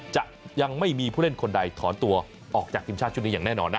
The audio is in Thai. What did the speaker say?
จะยังไม่มีผู้เล่นคนใดถอนตัวออกจากทีมชาติชุดนี้อย่างแน่นอนนะ